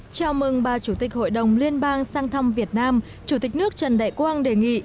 chào mừng bà chủ tịch hội đồng liên bang sang thăm việt nam chủ tịch nước trần đại quang đề nghị